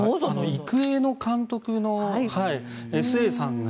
育英の監督の須江さんが